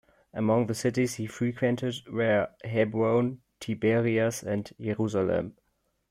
Among the cities he frequented were Hebron, Tiberias, and Jerusalem.